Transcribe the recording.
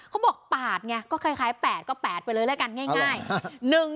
เขาบอก๘ไงก็คล้าย๘ก็๘ไปเลยแล้วกันง่าย